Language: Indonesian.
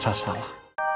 sama elsa salah